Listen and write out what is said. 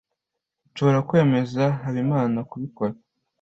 nshobora kwemeza habimana kubikora